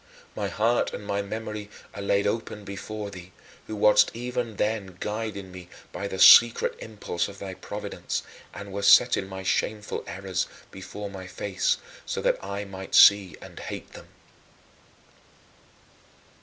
My heart and my memory are laid open before thee, who wast even then guiding me by the secret impulse of thy providence and wast setting my shameful errors before my face so that I might see and hate them.